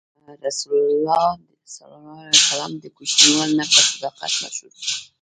رسول الله ﷺ د کوچنیوالي نه په صداقت مشهور و.